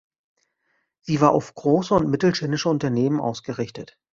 Sie war auf große und mittelständische Unternehmen ausgerichtet.